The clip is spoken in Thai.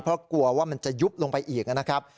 เพราะกลัวว่ามันจะยุบลงไปอีกนะครับ